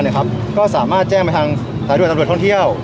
เนี้ยครับก็สามารถแจ้งไปทางสายด่วนตรวจท่องเที่ยว